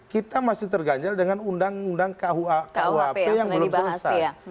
kita masih terganjal dengan undang undang kuhp yang belum selesai